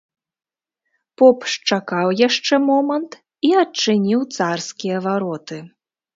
Поп счакаў яшчэ момант і адчыніў царскія вароты.